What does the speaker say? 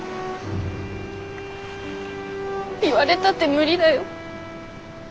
言われたって無理だよ。